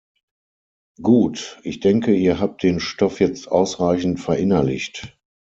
Gut, ich denke, ihr habt den Stoff jetzt ausreichend verinnerlicht.